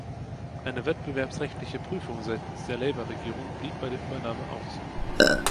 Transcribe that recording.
Eine wettbewerbsrechtliche Prüfung seitens der Labour-Regierung blieb bei der Übernahme aus.